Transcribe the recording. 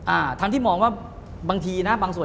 อ่าทั้งที่มองว่าบางทีนะบางส่วน